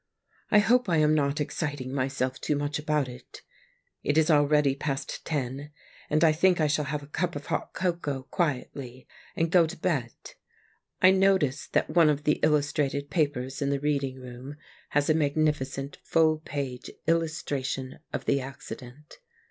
I hope I am not exciting myself too much about it. It is already past ten, and I think I shall have a cup of hot cocoa quietly and go to bed. I notice that one of the illustrated papers in the reading room has a magnifi cent full page illustration of the accident.